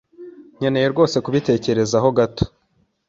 Nkeneye rwose kubitekerezaho gato.